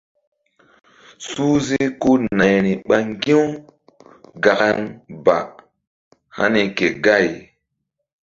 Suhze ko nayri ɓa ŋgi̧-u gakan ba hani ke gay.